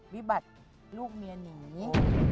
วิบัติลูกเมียหนี